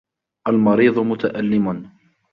الْمَرِيضُ مُتَأَلِّمٌ.